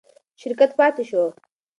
شرکت پاتې شو.